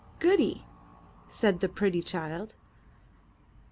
Goody,'' said the pretty child.